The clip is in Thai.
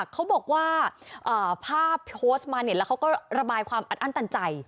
เขาบอกว่าภาพโพสต์มาเนี่ยแล้วเขาก็ระบายความอัดอั้นตันใจ